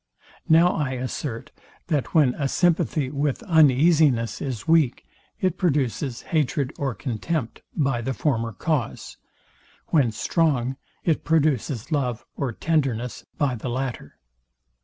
Now I assert, that when a sympathy with uneasiness is weak, it produces hatred or contempt by the former cause; when strong, it produces love or tenderness by the latter.